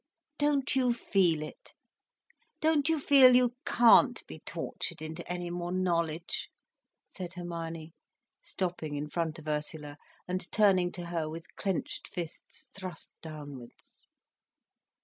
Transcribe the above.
Don't you feel it, don't you feel you can't be tortured into any more knowledge?" said Hermione, stopping in front of Ursula, and turning to her with clenched fists thrust downwards.